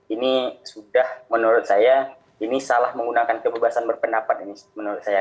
ini sudah menurut saya ini salah menggunakan kebebasan berpendapat ini menurut saya